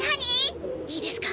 いいですか？